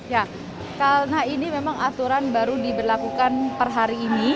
ya karena ini memang aturan baru diberlakukan per hari ini